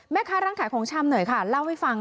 แม่ค้าร้านขายของชำหน่อยค่ะเล่าให้ฟัง